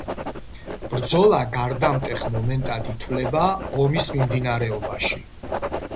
ბრძოლა გარდამტეხ მომენტად ითვლება ომის მიმდინარეობაში.